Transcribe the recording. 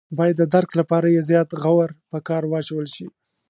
باید د درک لپاره یې زیات غور په کار واچول شي.